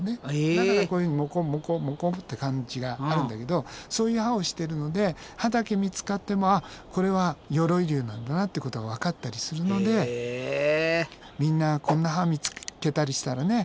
だからこういうふうにモコモコモコって感じがあるんだけどそういう歯をしてるので歯だけ見つかってもこれは鎧竜なんだなっていうことがわかったりするのでみんなこんな歯見つけたりしたらね